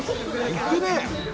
いくね。